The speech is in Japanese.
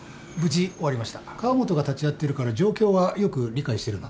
河本が立ち会ってるから状況はよく理解してるので。